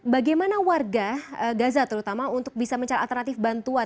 bagaimana warga gaza terutama untuk bisa mencari alternatif bantuan